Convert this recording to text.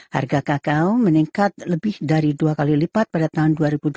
harga kakao meningkat lebih dari dua kali lipat pada tahun dua ribu dua puluh